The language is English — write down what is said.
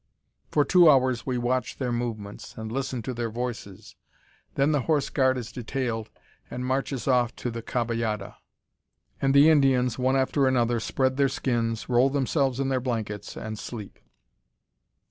For two hours we watch their movements, and listen to their voices. Then the horse guard is detailed, and marches off to the caballada; and the Indians, one after another, spread their skins, roll themselves in their blankets, and sleep.